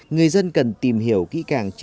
người dân cần tìm hiểu kỹ càng